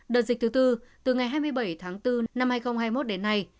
đợt dịch thứ tư từ ngày hai mươi bảy tháng bốn năm hai nghìn hai mươi một đến nay